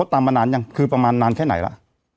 ตามมานานยังคือประมาณนานแค่ไหนล่ะ